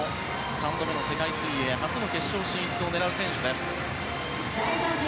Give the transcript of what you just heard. ３度目の世界水泳初の決勝進出を狙う選手です。